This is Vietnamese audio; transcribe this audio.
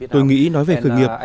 tôi nghĩ nói về khởi nghiệp